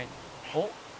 「おっ？」